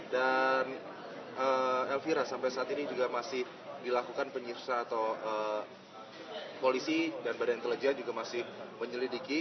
dan elvira sampai saat ini juga masih dilakukan penyusah atau polisi dan badan keleja juga masih menyelidiki